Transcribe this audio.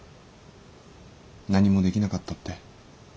何もできなかったって。